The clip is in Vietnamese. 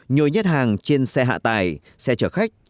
nhồi nhét hàng trên xe hạ tải xe chở khách